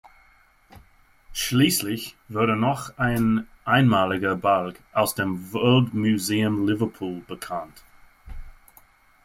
Schließlich wurde noch ein einmaliger Balg aus dem World Museum Liverpool bekannt.